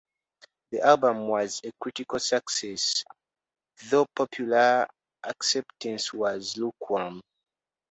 The album was a critical success, though popular acceptance was lukewarm.